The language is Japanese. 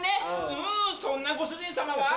うんそんなご主人様は。